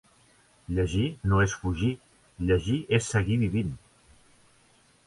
Llegir no és fugir. Llegir és seguir vivint